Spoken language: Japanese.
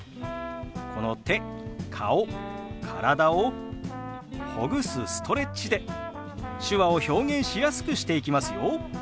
この手顔体をほぐすストレッチで手話を表現しやすくしていきますよ。